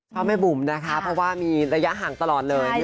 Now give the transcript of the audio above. พ่อแม่บุ๋มนะคะเพราะว่ามีระยะห่างตลอดเลย